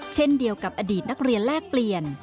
เช่นเดียวกับอดีตนักเรียนแลกเปลี่ยน